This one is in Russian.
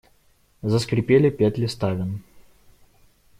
Заскрипели петли ставен.